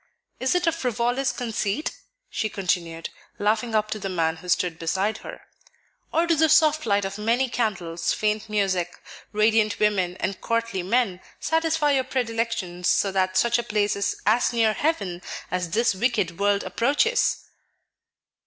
"Is it a frivolous conceit?" she continued, laughing up to the man who stood beside her; "or do the soft light of many candles, faint music, radiant women, and courtly men, satisfy your predilections also that such a place is as near heaven as this wicked world approaches?"